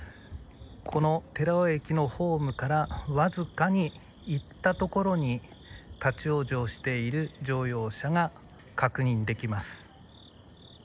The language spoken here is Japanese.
この寺尾駅のホームからわずかに行ったところに立ち往生している乗用車が確認できます。